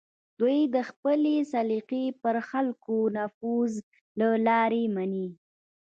دوی خپلې سلیقې پر خلکو د نفوذ له لارې مني